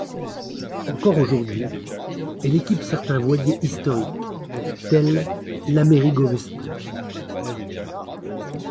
Encore aujourd'hui, elle équipe certains voiliers historiques, tel l'Amerigo Vespucci.